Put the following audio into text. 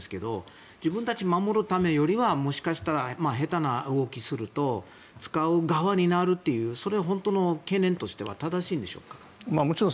イスラエルがいつも言っているんですが自分たちを守るためよりはもしかしたら下手な動きをすると使う側になるというそれは本当の懸念としては正しいんでしょうか？